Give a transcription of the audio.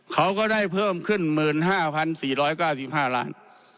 เขาก็ได้เพิ่มขึ้น๑๕๔๙๕ล้าน